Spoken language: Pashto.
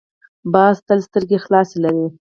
باز تل سترګې خلاصې لري